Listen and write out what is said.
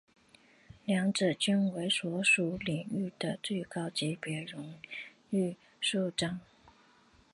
两者均为所属领域的最高级别荣誉勋章。